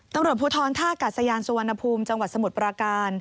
ตำรวจภูทรท่ากัศยานสุวรรณภูมิจังหวัดสมุทรปราการ